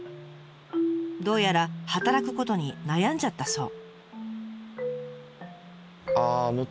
どうやら働くことに悩んじゃったそう。